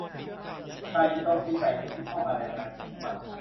ไก่จะโจมตีไก่อื่นที่เข้ามาในอาณาเขตของมัน